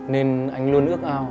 nên anh luôn ước ao